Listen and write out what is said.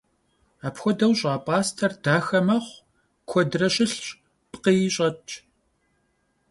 Апхуэдэу щӏа пӏастэр дахэ мэхъу, куэдрэ щылъщ, пкъыи щӏэтщ.